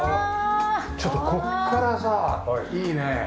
ちょっとここからさいいね三角の。